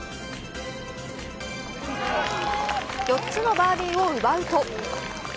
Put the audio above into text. ４つのバーディーを奪うと。